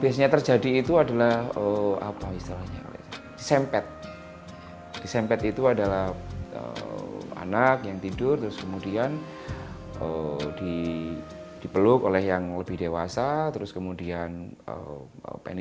saya tetap berdoa semakin benar